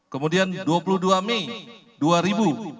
kemudian dua puluh dua mei dua ribu dua puluh